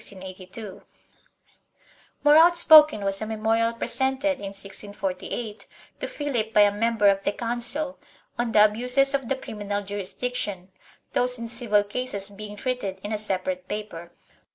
3 More outspoken was a memorial pre sented, in 1648, to Philip by a member of the Council, on the abuses of the criminal jurisdiction, those in civil cases being treated in a separate paper.